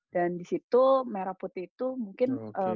dan di situ merah putih itu mungkin